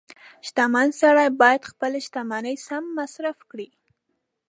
• شتمن سړی باید خپله شتمني سم مصرف کړي.